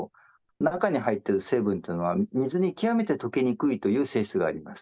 中に入っている成分というのは、水に極めて溶けにくいという性質があります。